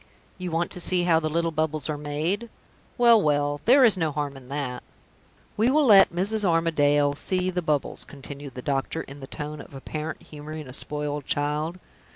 You want to see how the little bubbles are made? Well, well! there is no harm in that. We will let Mrs. Armadale see the bubbles," continued the doctor, in the tone of a parent humoring a spoiled child.